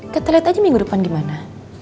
kita lihat aja minggu depan gimana